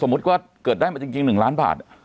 สมมุติก็เกิดได้มาจริง๑ล้านบาท